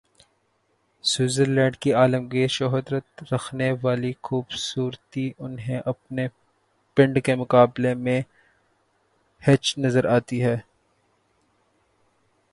Switzer land کی عالمگیر شہرت رکھنے والی خوب صورتی انہیں اپنے "پنڈ" کے مقابلے میں ہیچ نظر آتی ہے۔